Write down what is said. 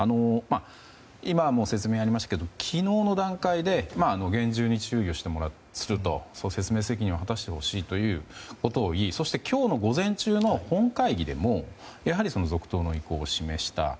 今の説明にもありましたけど昨日の段階で厳重に注意をすると説明責任を果たしてほしいということを言いそして、今日の午前中の本会議でもやはり続投の意向を示した。